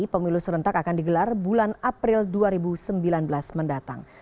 pemilu serentak akan digelar bulan april dua ribu sembilan belas mendatang